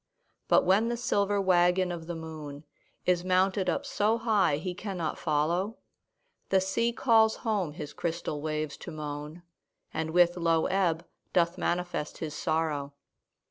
But when the silver waggon of the moon Is mounted up so high he cannot follow, The sea calls home his crystal waves to moan, And with low ebb doth manifest his sorrow.